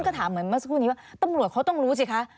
ก็ถามเหมือนเมื่อสักครู่นี้ว่าตำรวจเขาต้องรู้สิคะ